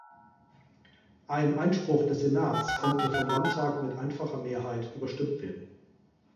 Ein Einspruch des Senats konnte vom Landtag mit einfacher Mehrheit überstimmt werden.